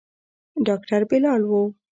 ډاکتر بلال و.